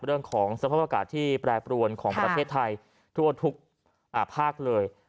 เรื่องของสภาพอากาศที่แปรปรวนของประเทศไทยทั่วทุกภาคเลย